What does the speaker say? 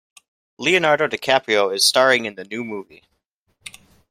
Leonardo DiCaprio is staring in the new movie.